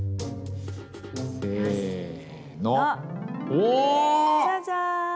お！